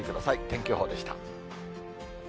天気予報でした。